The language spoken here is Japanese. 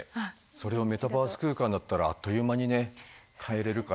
それをメタバース空間だったらあっという間にね変えれるから。